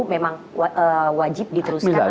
memang wajib diteruskan